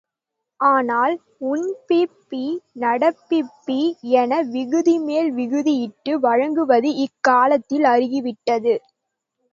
ஆனால், உண்பிப்பி, நடப்பிப்பி என விகுதிமேல் விகுதி இட்டு வழங்குவது இக்காலத்தில் அருகிவிட்டது.